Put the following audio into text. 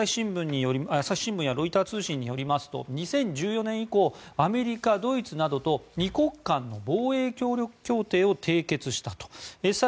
朝日新聞やロイター通信によりますと２０１４年以降アメリカ、ドイツなどと２国間の防衛協力協定を締結したと。